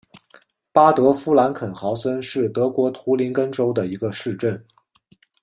巴德夫兰肯豪森是德国图林根州的一个市镇。